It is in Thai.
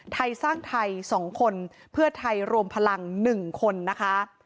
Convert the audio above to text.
ไทยสร้างไทย๒คนเพื่อไทยรวมพลัง๑คนนะคะ